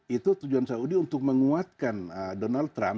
itu tujuan saudi untuk menguatkan donald trump